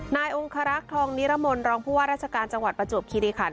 นายองคารักษ์ทองนิรมนต์รองผู้ว่าราชการจังหวัดประจวบคิริขัน